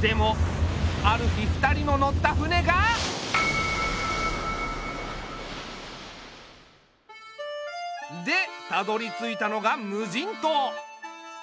でもある日２人の乗った船が。でたどりついたのが無人島。